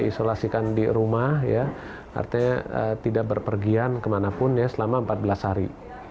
isolasikan di rumah ya artinya tidak berpergian kemanapun ya selama empat belas hari